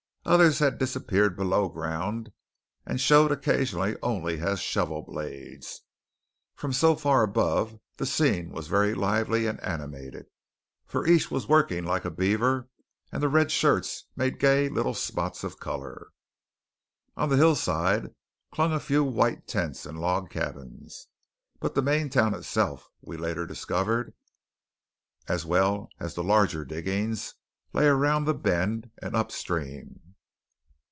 Others had disappeared below ground, and showed occasionally only as shovel blades. From so far above the scene was very lively and animated, for each was working like a beaver, and the red shirts made gay little spots of colour. On the hillside clung a few white tents and log cabins; but the main town itself, we later discovered, as well as the larger diggings, lay around the bend and upstream.